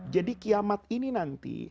jadi kiamat ini nanti